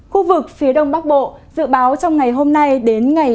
khu vực phía đông bắc bộ dự báo trong ngày hôm nay đến ngày hai mươi